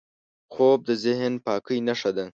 خوب د ذهن پاکۍ نښه ده